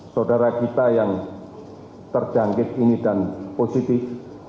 saudara kita yang terjangkit ini dan positif